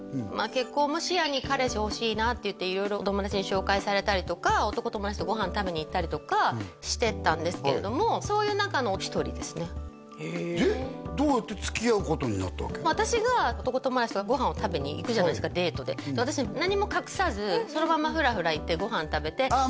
結婚も視野に彼氏欲しいなっていって色々お友達に紹介されたりとか男友達とご飯食べに行ったりとかしてたんですけれどもそういう中の一人ですねへえで私が男友達とご飯を食べに行くじゃないですかデートで私何も隠さずそのままふらふら行ってご飯食べてああ